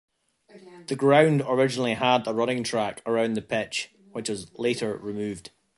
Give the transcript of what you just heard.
The ground originally had a running track around the pitch, which was later removed.